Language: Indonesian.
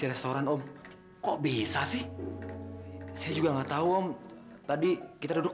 harusnya tuh kamu pegangin aku waktu aku duduk